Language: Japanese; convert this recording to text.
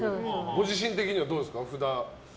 ご自身的にはどうですか？